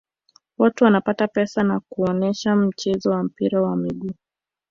watu wanapata pesa kwa kuonesha mchezo wa mpira wa miguu